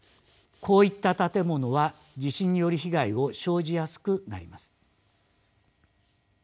こういった建物は地震による被害を生じやすくなります。